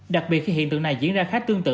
đặc biệt khi hiện tượng này diễn ra khá tương tự